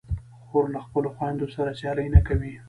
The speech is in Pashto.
خور له خپلو خویندو سره سیالي نه کوي.